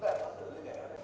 vùng chúng ta chưa